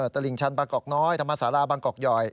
ตลิ่งชันบางกอกน้อยธรรมศาลาบางกอกย่อย